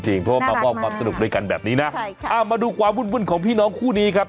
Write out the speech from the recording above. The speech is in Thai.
น่ารักมากค่ะเพราะว่ามาว่ามีความสนุกด้วยกันแบบนี้นะอ่ามาดูความวุ่นของพี่น้องคู่นี้ครับ